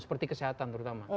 seperti kesehatan terutama